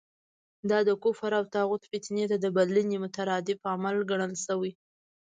دا د کفر او طاغوت فتنې ته د بلنې مترادف عمل ګڼل شوی.